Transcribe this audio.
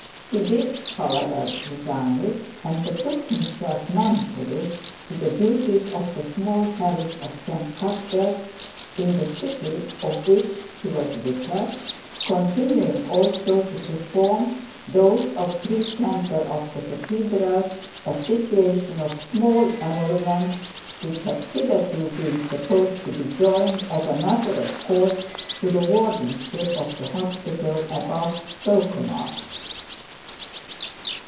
He did, however, resign it, and betook himself manfully to the duties of the small parish of St. Cuthbert's, in the city, of which he was vicar, continuing also to perform those of precentor of the cathedral, a situation of small emoluments which had hitherto been supposed to be joined, as a matter of course, to the wardenship of the hospital above spoken of.